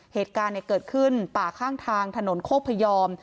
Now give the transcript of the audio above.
เหตุการณ์เกิดขึ้นป่าข้างทางถนนโคกพยอม